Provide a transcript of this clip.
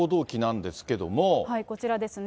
こちらですね。